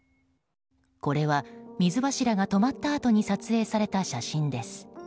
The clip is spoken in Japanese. これは、水柱が止まったあとに撮影された写真です。